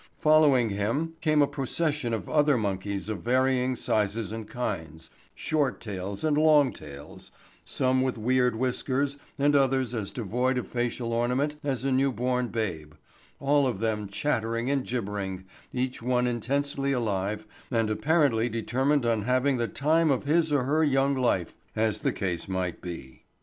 Following him came a procession of other monkeys of varying sizes and kinds—short tails and long tails, some with weird whiskers and others as devoid of facial adornment as a new born babe—all of them chattering and gibbering, each one intensely alive and apparently determined on having the time of his or her young life as the case might be.